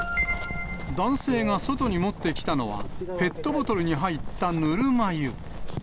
男性が外に持ってきたのは、ペットボトルに入ったぬるま湯。